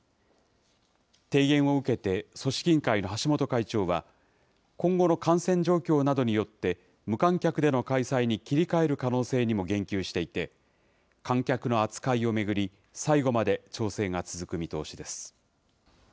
提言を受けて、組織委員会の橋本会長は、今後の感染状況などによって、無観客での開催に切り替える可能性にも言及していて、観客の扱いを巡り、最後まで調整が続く見通しです。